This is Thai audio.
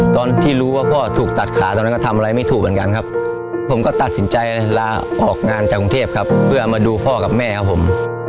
ตอนที่รู้ว่าพ่อถูกตัดขาตอนนั้นก็ทำอะไรไม่ถูกเหมือนกันครับผมก็ตัดสินใจลาออกงานจากกรุงเทพครับเพื่อมาดูพ่อกับแม่ครับผม